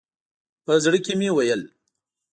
په زړه کې مې ویل.